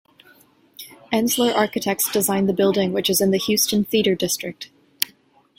Ensler Architects designed the building, which is in the Houston Theater District.